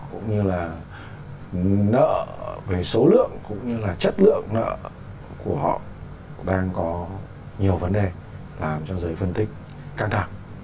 cũng như là nợ về số lượng cũng như là chất lượng nợ của họ đang có nhiều vấn đề làm cho giới phân tích căng thẳng